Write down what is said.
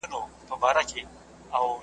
ښکاري کله وي په غم کي د مرغانو .